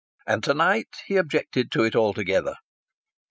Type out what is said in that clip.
And to night he objected to it altogether.